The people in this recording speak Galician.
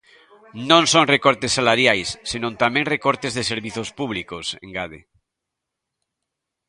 "Non son recortes salariais, senón tamén recortes de servizos públicos", engade.